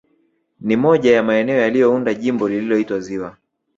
Ni moja ya maeneo yaliyounda Jimbo lililoitwa ziwa